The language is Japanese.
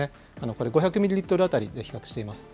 これ５００ミリリットル当たりで比較しています。